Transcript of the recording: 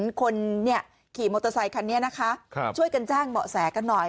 คนเนี่ยขี่มอเตอร์ไซคันนี้นะคะช่วยกันแจ้งเบาะแสกันหน่อย